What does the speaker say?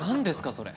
それ。